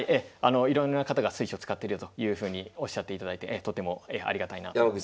いろんな方が水匠使ってるよというふうにおっしゃっていただいてとてもありがたいなと思います。